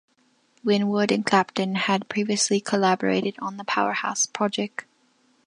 Winwood and Clapton had previously collaborated on the "Powerhouse" project.